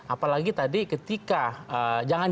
apalagi tadi ketika jangan jangan ya